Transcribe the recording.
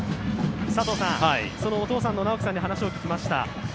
そのお父さんの直起さんに話を聞きました。